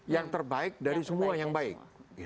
yang terbaik dari semua yang baik